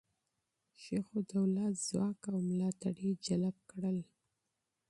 شجاع الدوله ځواک او ملاتړي جلب کړل.